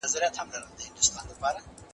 هارون باچا